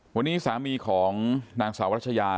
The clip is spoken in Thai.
วันนี้สามีของนางสาวรัชยา